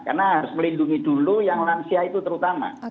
karena harus melindungi dulu yang lansia itu terutama